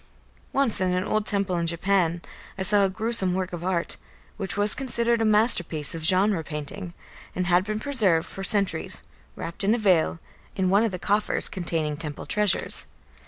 Once in an old temple in Japan I saw a gruesome work of art, which was considered a masterpiece of genre painting, and had been preserved for centuries, wrapped in a veil, in one of the coffers containing temple treasures.